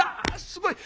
すごい！